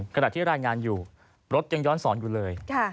ขณะที่รายงานอยู่รถยังย้อนสอนอยู่เลย